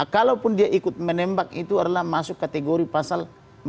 kalaupun dia ikut menembak itu adalah masuk kategori pasal empat ribu delapan ratus empat puluh sembilan